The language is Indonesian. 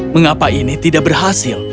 mengapa ini tidak berhasil